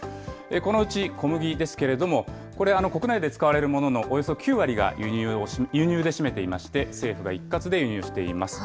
このうち小麦ですけれども、これ、国内で使われるもののおよそ９割が輸入で占めていまして、政府が一括で輸入しています。